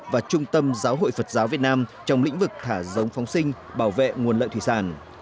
và trung tâm giáo hội phật giáo việt nam trong lĩnh vực thả giống phóng sinh bảo vệ nguồn lợi thủy sản